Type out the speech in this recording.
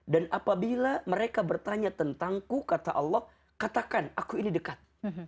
dan apabila mereka bertanya tentangku kata allah katakan aku ini dekat